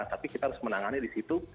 tapi kita harus menangani di situ